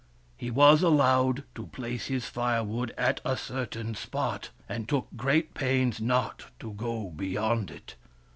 He was allowed to place his firewood at a certain spot, and took great pains not to go beyond it.